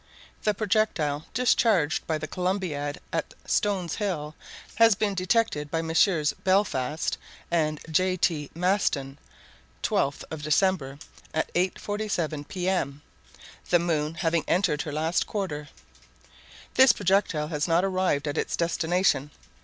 The projectile discharged by the Columbiad at Stones Hill has been detected by Messrs. Belfast and J. T. Maston, 12th of December, at 8:47 P.M., the moon having entered her last quarter. This projectile has not arrived at its destination.